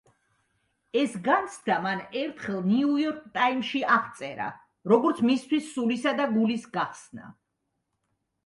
ეს განცდა მან ერთხელ ნიუ-იორკ ტაიმსში აღწერა, როგორც მისთვის „სულისა და გულის გახსნა“.